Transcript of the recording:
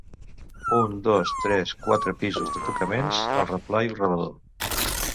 Un dos tres quatre pisos de tocaments, el replà i el rebedor.